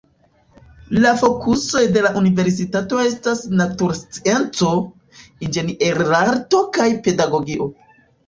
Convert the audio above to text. La fokusoj de la universitato estas naturscienco, inĝenierarto kaj pedagogio.